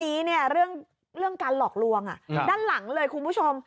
นี้เนี่ยเรื่องการหลอกลวงด้านหลังเลยคุณผู้ชม